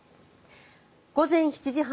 午前７時半